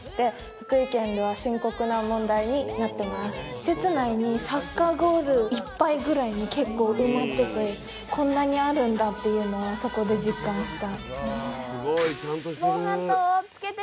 施設内にサッカーゴールいっぱいぐらい、結構埋まってて、こんなにあるんだというのを、そこで実感した。